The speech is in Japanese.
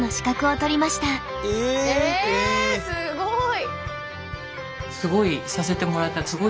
えすごい！